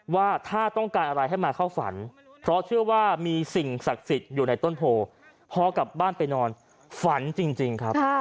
ว่าถ้าต้องการอะไรให้มาเข้าฝันเพราะเชื่อว่ามีสิ่งศักดิ์สิทธิ์อยู่ในต้นโพพอกลับบ้านไปนอนฝันจริงครับ